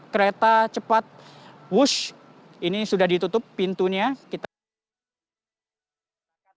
kereta cepat wush ini sudah ditutup pintunya